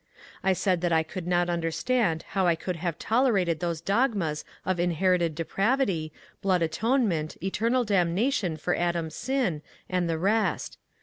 I said that I could not understand how I could have tolerated those dogmas of inherited depravity, blood atonement, eternal damnation for Adam's sin, and the rest.